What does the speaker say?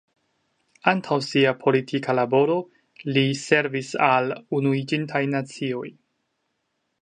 Antaŭ sia politika laboro li servis al Unuiĝintaj Nacioj.